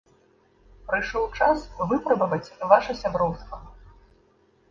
Прыйшоў час выпрабаваць ваша сяброўства.